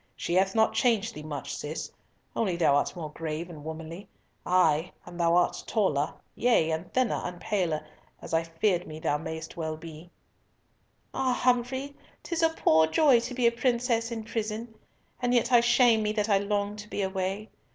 "She hath not changed thee much, Cis, only thou art more grave and womanly, ay, and thou art taller, yea, and thinner, and paler, as I fear me thou mayest well be." "Ah, Humfrey, 'tis a poor joy to be a princess in prison! And yet I shame me that I long to be away.